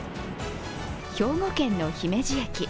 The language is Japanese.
兵庫県の姫路駅。